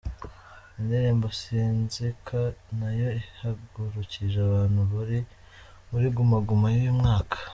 Indirimbo ’Sinzika’ Nayo ihagurukije abantu bari muri Guma Guma y’uyu mwaka.